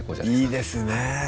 いいですね